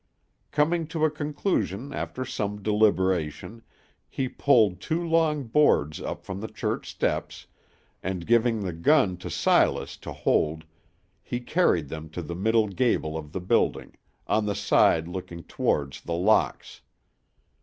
Coming to a conclusion after some deliberation, he pulled two long boards up from the church steps, and, giving the gun to Silas to hold, he carried them to the middle gable of the building, on the side looking towards The Locks.